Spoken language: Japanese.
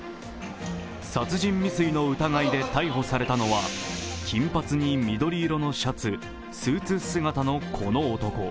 殺人未遂の疑いで逮捕されたのは金髪に緑色のシャツ、スーツ姿のこの男。